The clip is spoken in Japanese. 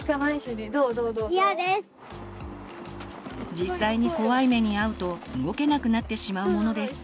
実際に怖い目にあうと動けなくなってしまうものです。